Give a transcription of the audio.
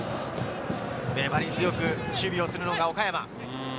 粘り強く守備をするのが岡山。